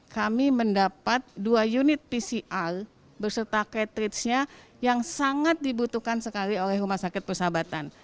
kami mendapat dua unit pcr berserta catridge nya yang sangat dibutuhkan sekali oleh rumah sakit persahabatan